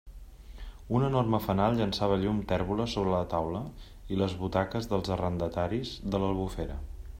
Un enorme fanal llançava llum tèrbola sobre la taula i les butaques dels arrendataris de l'Albufera.